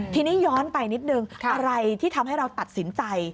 ทีนี้ย้อนไปนิดนึงอะไรที่ทำให้เราตัดสินใจ